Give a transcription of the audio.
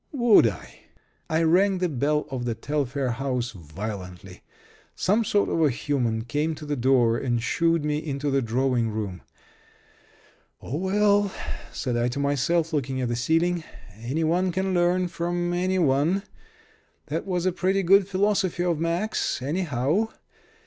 Would I? I rang the bell of the Telfair house violently. Some sort of a human came to the door and shooed me into the drawing room. "Oh, well," said I to myself, looking at the ceiling, "any one can learn from any one. That was a pretty good philosophy of Mack's, anyhow.